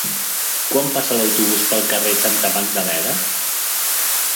Quan passa l'autobús pel carrer Santa Magdalena?